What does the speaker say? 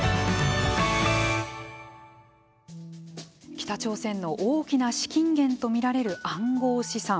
北朝鮮の大きな資金源と見られる暗号資産。